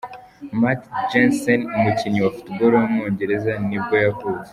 Matt Jansen, umukinnyi wa football w’umwongereza nibwo yavutse.